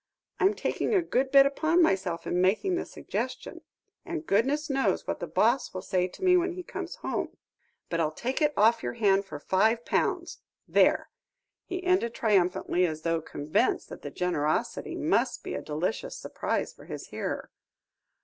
I'm taking a good bit upon myself in making the suggestion, and goodness knows what the boss will say to me when he comes home. But I'll take it off your hands for five pounds. There!" he ended triumphantly, as though convinced that the generosity must be a delicious surprise for his hearer.